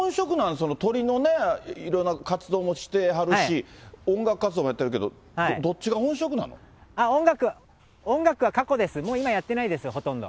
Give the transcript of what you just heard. その鳥のね、いろんな活動もしてはるし、音楽活動もやってるけど、音楽、音楽は過去です、もう、今やってないですよ、ほとんど。